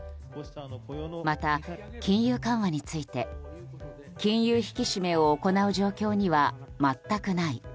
また、金融緩和について金融引き締めを行う状況には全くない。